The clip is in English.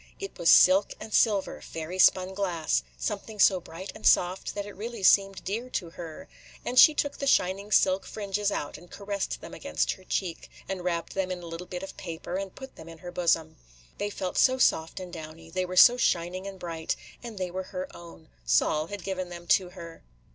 It was silk and silver, fairy spun glass, – something so bright and soft that it really seemed dear to her; and she took the shining silk fringes out and caressed them against her cheek, and wrapped them in a little bit of paper, and put them in her bosom. They felt so soft and downy, – they were so shining and bright, – and they were her own, – Sol had given them to her.